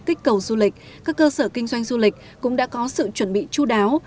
kích cầu du lịch các cơ sở kinh doanh du lịch cũng đã có sự chuẩn bị chú đáo